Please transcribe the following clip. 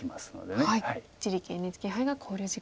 一力ＮＨＫ杯が考慮時間。